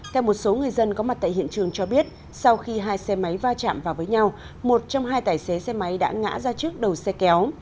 theo một số người dân có mặt tại hiện trường cho biết sau khi hai xe máy va chạm vào với nhau một trong hai tài xế xe máy đã ngã ra trước đầu xe kéo